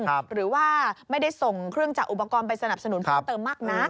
หรือว่าไม่ได้ส่งเครื่องจักรอุปกรณ์ไปสนับสนุนเพิ่มเติมมากนัก